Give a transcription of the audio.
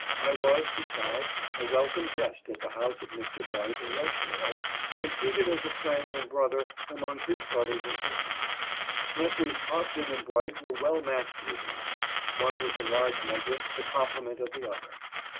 I was, besides, a welcome guest at the house of Mr. Bright in Rochdale, and treated as a friend and brother among his brothers and sisters. Messrs. Cobden and Bright were well matched leaders. One was in large measure the comple THEIR APPEARANCE AS ORATORS. 293 ment of the other.